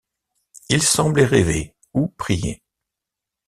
Il semblait rêver ou prier.